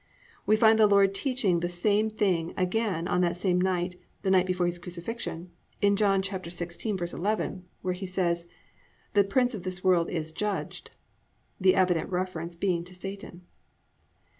We find the Lord teaching the same thing again on that same night, the night before His crucifixion, in John 16:11 where he says: +"The prince of this world is judged"+—the evident reference being to Satan.